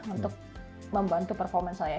untuk membantu performance saya